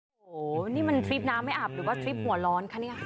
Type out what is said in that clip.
โอ้โหนี่มันทริปน้ำไม่อับหรือว่าทริปหัวร้อนคะเนี่ย